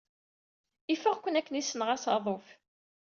Ifeɣ-ken akken ay ssneɣ asaḍuf.